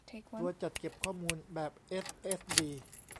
ตัวจัดเก็บข้อมูลแบบเอสเอสดี